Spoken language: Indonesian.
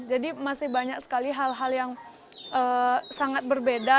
jadi masih banyak sekali hal hal yang sangat berbeda